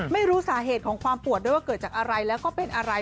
ไม่รู้สาเหตุของความปวดด้วยว่าเกิดจากอะไรแล้วก็เป็นอะไร